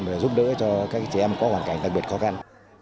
để giúp đỡ cho các trẻ em có hoàn cảnh đặc biệt khó khăn